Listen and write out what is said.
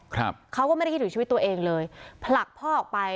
เขาก็ไม่ได้คิดถึงชีวิตตัวเองเลยผลักพ่อออกไป